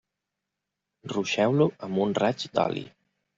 Ruixeu-lo amb un raig d'oli.